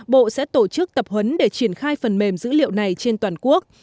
bộ sẽ tổ chức tập huấn để triển khai phần mềm dữ liệu này trên toàn quốc